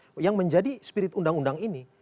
dengan spirit yang menjadi spirit undang undang ini